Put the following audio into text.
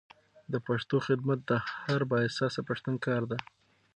د پښتو خدمت د هر با احساسه پښتون کار دی.